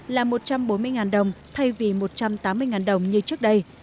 là một trăm bốn mươi đồng thay vì một trăm tám mươi đồng như trước đây